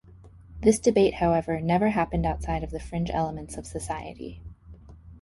This debate however, never happened outside of the fringe elements of society.